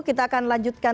kita akan lanjutkan